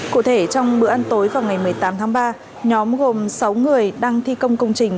cụ thể trong bữa ăn tối vào ngày một mươi tám tháng ba nhóm gồm sáu người đang thi công công trình